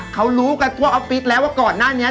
เขารู้กันทั่วออฟฟิศแล้วว่าก่อนหน้านี้